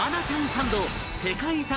サンド世界遺産